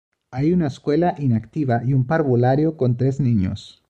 Hay una escuela inactiva y un parvulario con tres niños.